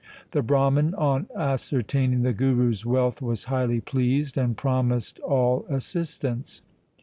The Brahman on ascertaining the Guru's wealth was highly pleased and promised all assistance.